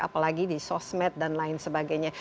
apalagi di sosmed dan lain sebagainya